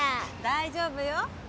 大丈夫よ。